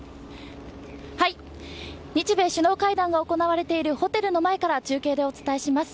日米首脳会談が行われているホテルの前から中継でお伝えします。